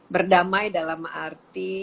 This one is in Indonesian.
berdamai dalam arti